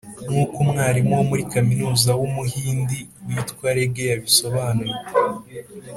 nk’uko umwarimu wo muri kaminuza w’umuhindi witwa rege yabisobanuye